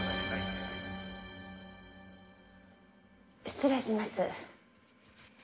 失礼します。